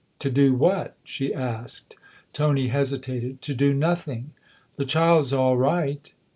" To do what ?" she asked. Tony hesitated. "To do nothing! The child's all right